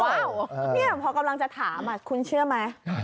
ว้าวนี่ผมกำลังจะถามคุณเชื่อไหม